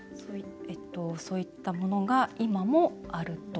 そういったものが今もあると。